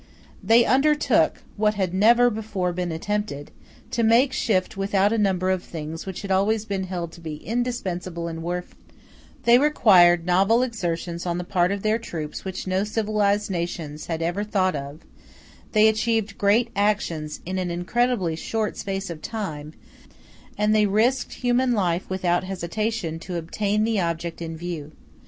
They undertook (what had never before been attempted) to make shift without a number of things which had always been held to be indispensable in warfare; they required novel exertions on the part of their troops which no civilized nations had ever thought of; they achieved great actions in an incredibly short space of time; and they risked human life without hesitation to obtain the object in view.